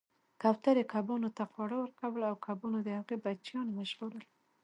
کوترې کبانو ته خواړه ورکول او کبانو د هغې بچیان وژغورل